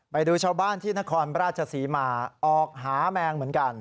ไปดูชาวบ้านที่นครราชศรีมาออกหาแมงเหมือนกัน